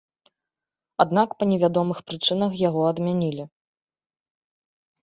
Аднак па невядомых прычынах яго адмянілі.